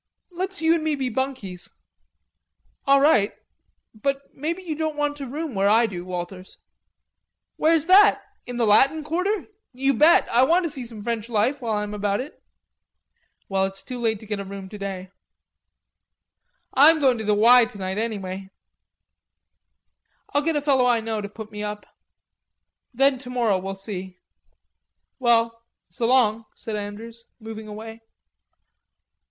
Let's you and me be bunkies." "All right.... But maybe you won't want to room where I do, Walters." "Where's that? In the Latin Quarter?... You bet. I want to see some French life while I am about it." "Well, it's too late to get a room to day." "I'm going to the 'Y' tonight anyway." "I'll get a fellow I know to put me up.... Then tomorrow, we'll see. Well, so long," said Andrews, moving away.